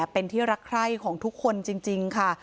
เป็นที่รักใคร่ของทุกคนจริงค่ะ